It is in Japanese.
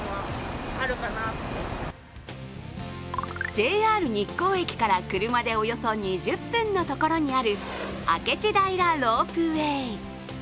ＪＲ日光駅から車でおよそ２０分のところにある明智平ロープウェイ。